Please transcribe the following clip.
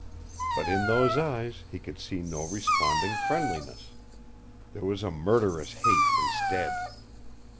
But in those eyes he could see no responding friendliness. There was a murderous hate instead.